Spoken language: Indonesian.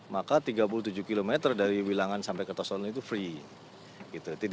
maka tiga puluh tujuh km dari wilangan sampai ke tosono itu free